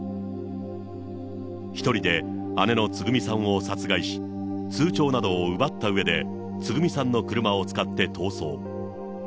１人で姉のつぐみさんを殺害し、通帳などを奪ったうえで、つぐみさんの車を使って逃走。